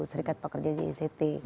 serikat pekerja jict